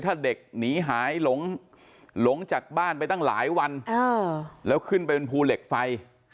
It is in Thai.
ถ้าเด็กหนีหายหลงจากบ้านไปตั้งหลายวันแล้วขึ้นไปบนภูเหล็กไฟ